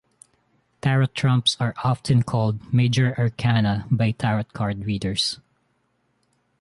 Tarot trumps are often called Major Arcana by tarot card readers.